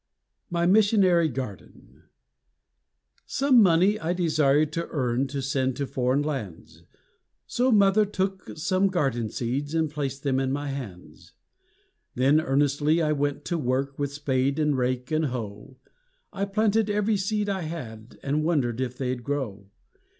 My Missionary Garden Some money I desired to earn To send to foreign lands, So mother took some garden seeds And placed them in my hands. Then earnestly I went to work With spade and rake and hoe; I planted every seed I had, And wondered if they'd grow.